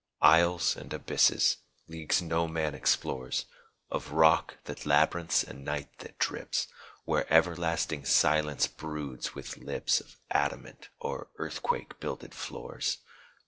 _ Aisles and abysses; leagues no man explores, Of rock that labyrinths and night that drips; Where everlasting silence broods, with lips Of adamant, o'er earthquake builded floors.